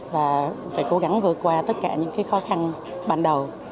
và phải cố gắng vượt qua tất cả những khó khăn ban đầu